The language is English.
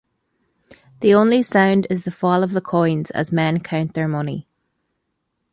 The only sound is "the fall of the coins" as men count their money.